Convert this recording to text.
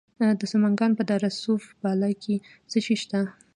د سمنګان په دره صوف بالا کې څه شی شته؟